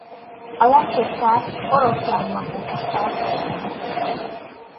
A legtöbb kárt Oroszlányban okozta a földrengés.